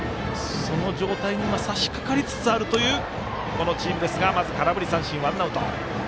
その状態になりつつあるこのチームですが空振り三振、ワンアウト。